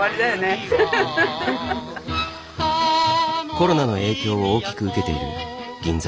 コロナの影響を大きく受けている銀座。